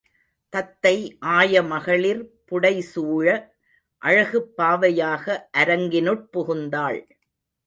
தத்தை ஆயமகளிர் புடைசூழ அழகுப் பாவையாக அரங்கினுட் புகுந்தாள்.